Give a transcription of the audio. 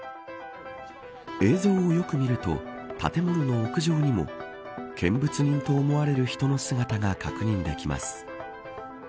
映像をよく見ると建物の屋上にも見物人と思われる人の姿が確認できます。